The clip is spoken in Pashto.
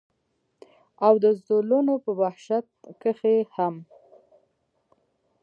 او د زولنو پۀ وحشت کښې هم